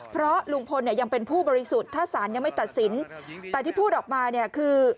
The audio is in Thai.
เพราะลุงพลเนี่ยยังเป็นผู้บริสุทธิ์ถ้าศาลยังไม่ตัดสินแต่ที่พูดออกมาเนี่ยคือ